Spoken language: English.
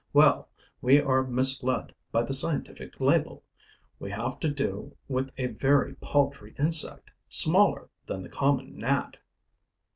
Well, we are misled by the scientific label: we have to do with a very paltry insect, smaller than the common gnat.